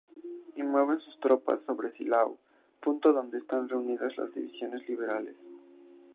Y mueve sus tropas sobre Silao, punto donde están reunidas las divisiones liberales.